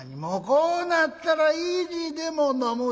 こうなったら意地でも飲むで」。